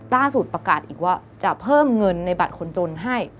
ประกาศอีกว่าจะเพิ่มเงินในบัตรคนจนให้